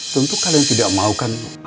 tentu kalian tidak mau kan